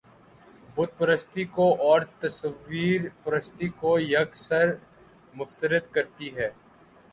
بت پرستی کو اور تصویر پرستی کو یک سر مسترد کرتی ہے